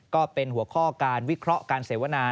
ก็เป็นหัวข้อการวิเคราะห์การเสวนา